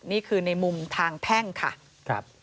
นี่คือในมุมทางแพ่งค่ะ